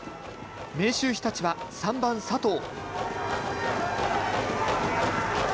明秀日立は３番・佐藤。